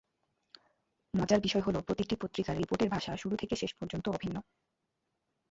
মজার বিষয় হলো, প্রতিটি পত্রিকার রিপোর্টের ভাষা শুরু থেকে শেষ পর্যন্ত অভিন্ন।